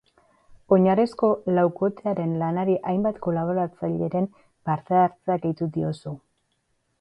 Oinarrizko laukotearen lanari hainbat kolaboratzaileren parte-hartzea gehitu diozu.